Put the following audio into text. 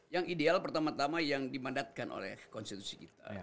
yang ideal pertama tama yang dimandatkan oleh konstitusi kita